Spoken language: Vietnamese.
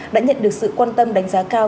đã nhận được sự quan tâm đánh giá cao